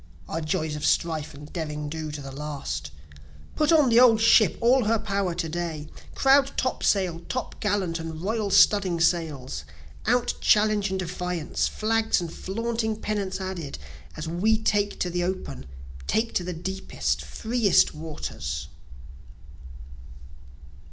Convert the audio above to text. (Our joys of strife and derring do to the last!) Put on the old ship all her power to day! Crowd top sail, top gallant and royal studding sails, Out challenge and defiance flags and flaunting pennants added, As we take to the open take to the deepest, freest waters.